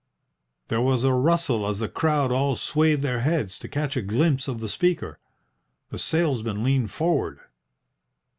There was a rustle as the crowd all swayed their heads to catch a glimpse of the speaker. The salesman leaned forward.